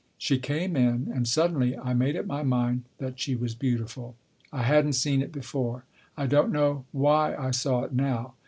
She came in, and suddenly I made up my mind that she was beautiful. I hadn't seen it before. I don't know why I saw it now.